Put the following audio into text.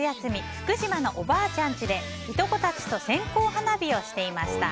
福島のおばあちゃんちでいとこたちと線香花火をしていました。